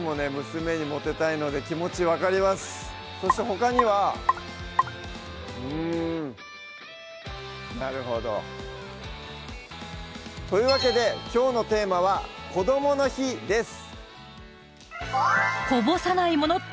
娘にモテたいので気持ち分かりますそしてほかにはうんなるほどというわけできょうのテーマは「こどもの日」です